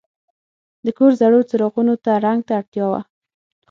د کور زړو څراغونو ته رنګ ته اړتیا وه.